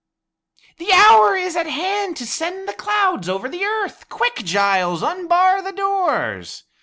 "The hour is at hand to send the clouds over the earth. Quick, Giles, unbar the doors!"